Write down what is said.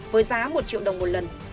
với giá một triệu đồng một lần